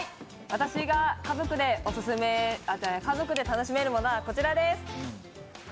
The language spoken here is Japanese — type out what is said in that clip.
私が家族で楽しめるものはこちらです！